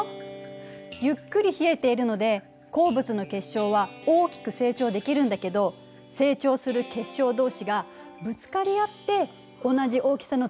ゆっくり冷えているので鉱物の結晶は大きく成長できるんだけど成長する結晶どうしがぶつかり合って同じ大きさの粒になりやすいの。